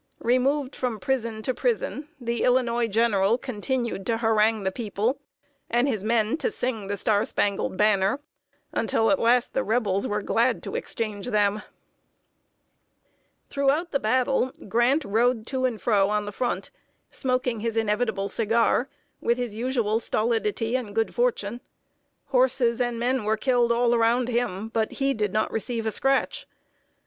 Removed from prison to prison, the Illinois General continued to harangue the people, and his men to sing the "Star Spangled Banner," until at last the Rebels were glad to exchange them. [Sidenote: GRANT AND SHERMAN IN BATTLE.] Throughout the battle, Grant rode to and fro on the front, smoking his inevitable cigar, with his usual stolidity and good fortune. Horses and men were killed all around him, but he did not receive a scratch.